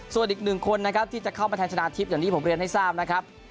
ส่วนอีกหนึ่งคนนะครับที่จะเข้ามาแทนชนะทิพย์อย่างที่ผมเรียนให้ทราบนะครับ